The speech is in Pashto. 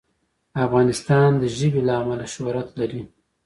افغانستان د ژبې له امله شهرت لري.